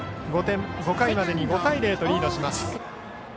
５回までに５対０とリードします。